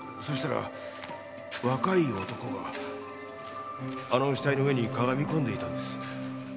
そしたら若い男があの死体の上にかがみ込んでいたんです。